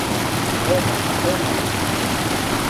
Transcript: Ӹлӓ, ӹлӓ!